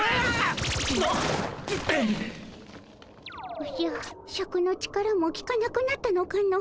おじゃシャクの力もきかなくなったのかの。